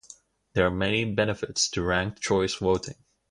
There are many benefits to ranked-choice voting.